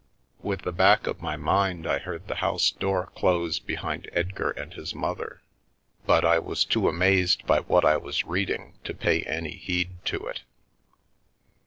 With the back of my mind I heard the house door close behind Edgar and his mother, but I was too amazed by what I was reading to pay any heed to it.